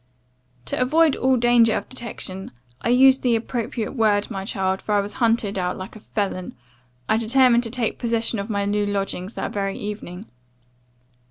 "To avoid all danger of detection I use the appropriate word, my child, for I was hunted out like a felon I determined to take possession of my new lodgings that very evening.